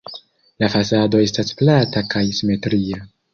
La fasado estas plata kaj simetria.